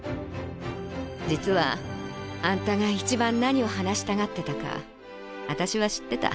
実はあんたが一番何を話したがってたかあたしは知ってた。